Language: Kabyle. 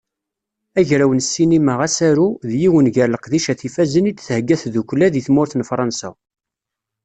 Agraw n ssinima Asaru, d yiwen gar leqdicat ifazen i d-thegga tdukkla di tmurt n Fransa.